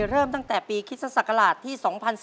เริ่มตั้งแต่ปีคริสตศักราชที่๒๔